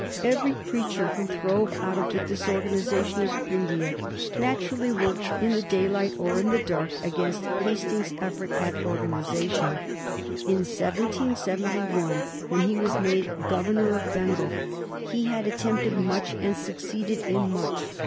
Every creature who throve out of the disorganization of India naturally worked, in the daylight or in the dark, against Hastings's efforts at organization. In 1771, when he was made Governor of Bengal, he had attempted much and succeeded in much.